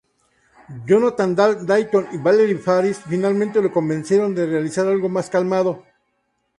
Jonathan Dayton y Valerie Faris finalmente lo convencieron de realizar algo más calmado.